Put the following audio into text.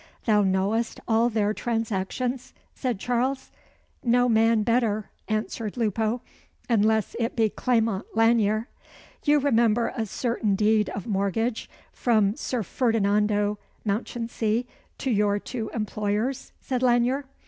"Thou knowest all their transactions?" said Charles. "No man better," answered Lupo; "unless it be Clement Lanyere." "You remember a certain deed of mortgage from Sir Ferdinando Mounchensey to your two employers?" said Lanyere.